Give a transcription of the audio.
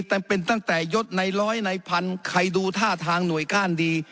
แต่เป็นตั้งแต่ยดในร้อยในพันใครดูท่าทางหน่วยก้านดี